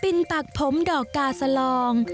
ปิ่นปักผมดอกกาสลอง